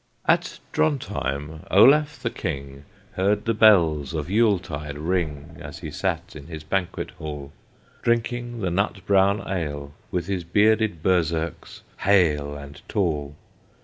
At Drontheim, Olaf the King Heard the bells of Yule tide ring, As he sat in his banquet hall, Drinking the nut brown ale, With his bearded Berserks hale And tall.